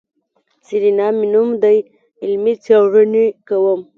سېرېنا مې نوم دی علمي څېړنې کوم.